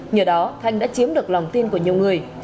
nhờ đó thanh đã chiếm được lòng tin của nhiều người